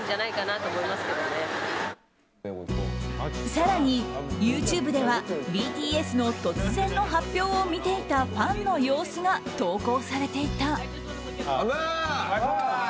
更にＹｏｕＴｕｂｅではＢＴＳの突然の発表を見ていたファンの様子が投稿されていた。